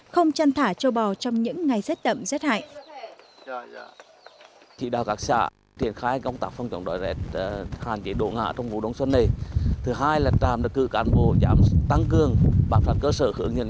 không chăn thả châu bò trong những ngày rất đậm rất hại